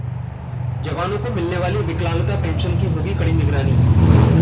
जवानों को मिलने वाली विकलांगता पेंशन की होगी कड़ी निगरानी